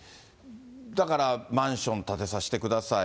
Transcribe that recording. だからマンション建てさせてください。